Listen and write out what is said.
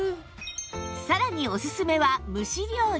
さらにおすすめは蒸し料理